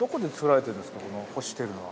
干してるのは。